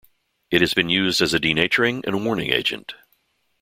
It has been used as a denaturing and warning agent.